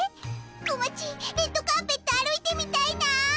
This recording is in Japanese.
こまちレッドカーペット歩いてみたいな。